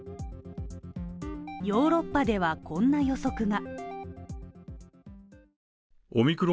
ヨーロッパでは、こんな予測が。